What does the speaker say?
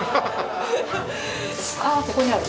あここにある。